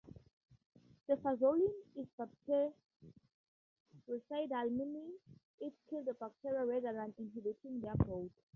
Cefazolin is bactericidal, meaning it kills the bacteria rather than inhibiting their growth.